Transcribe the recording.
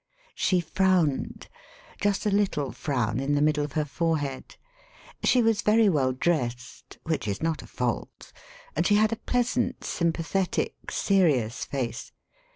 '* She frowned — ^just a little frown in the middle of her forehead. She was very well dressed (which is not a fault), and she had a pleasant, sjrmpa thetic, serious face.